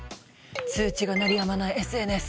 通知が鳴りやまないＳＮＳ。